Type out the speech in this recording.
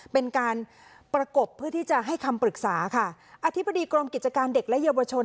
เป็นการประกบเพื่อที่จะให้คำปรึกษาค่ะอธิบดีกรมกิจการเด็กและเยาวชน